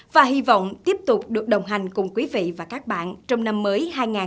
và hy vọng tiếp tục được đồng hành cùng quý vị và các bạn trong năm mới hai nghìn hai mươi bốn